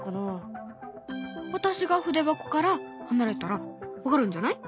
私が筆箱から離れたら分かるんじゃない？